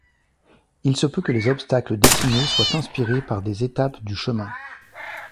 Il se peut que les obstacles dessinés soient inspirés par des étapes du chemin.